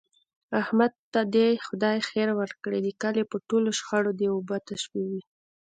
احمد ته دې خدای خیر ورکړي د کلي په ټولو شخړو دی اوبه تشوي.